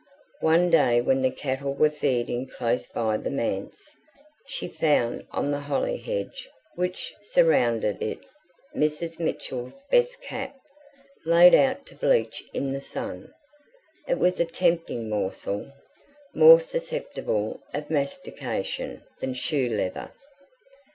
One day when the cattle were feeding close by the manse, she found on the holly hedge which surrounded it, Mrs. Mitchell's best cap, laid out to bleach in the sun. It was a tempting morsel more susceptible of mastication than shoe leather.